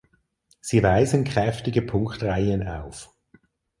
Sie weisen kräftige Punktreihen auf.